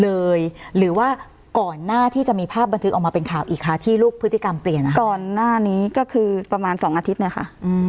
หรือว่าก่อนหน้าที่จะมีภาพบันทึกออกมาเป็นข่าวอีกคะที่ลูกพฤติกรรมเปลี่ยนก่อนหน้านี้ก็คือประมาณสองอาทิตย์เนี่ยค่ะ